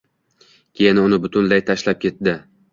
Keyin uni butunlay tashlab ketdi